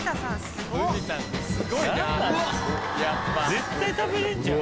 絶対食べれんじゃん。